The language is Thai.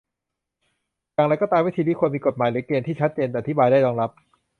อย่างไรก็ตาม วิธีนี้ควรมีกฎหมายหรือเกณฑ์ที่ชัดเจนอธิบายได้รองรับ